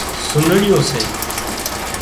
سُنڙيون سي